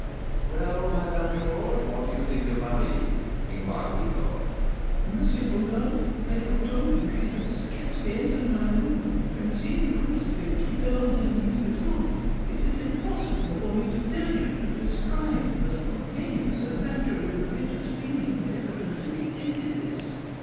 "Well, Madame Georges, what do you think of Marie?" inquired Rodolph. "M. Rodolph, I have told you: she had scarcely entered my room, when, seeing the crucifix, she fell on her knees before it. It is impossible for me to tell you, to describe the spontaneous and naturally religious feeling that evidently dictated this.